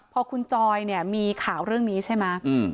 พอคุณจอยเนี่ยมีข่าวเรื่องนี้ใช่ไหม